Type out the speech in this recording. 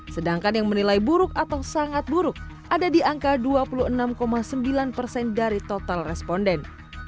sedangkan yang menilai buruk atau sangat buruk ada di angka dua puluh enam sembilan persen dari total responden